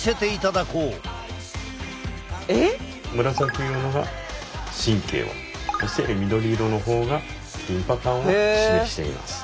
紫色が神経をそして緑色の方がリンパ管を示しています。